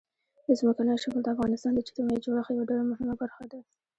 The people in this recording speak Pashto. ځمکنی شکل د افغانستان د اجتماعي جوړښت یوه ډېره مهمه برخه ده.